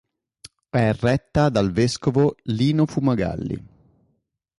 È retta dal vescovo Lino Fumagalli.